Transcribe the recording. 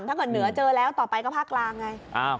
ถ้าเกิดเหนือเจอแล้วต่อไปก็ภาคกลางไง